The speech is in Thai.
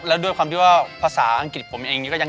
แล้วด้วยความที่ว่าภาษาอังกฤษผมเองก็ยังแข็งแรงอยู่